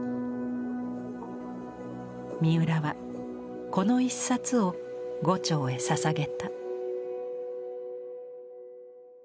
三浦はこの一冊を牛腸へ捧げた。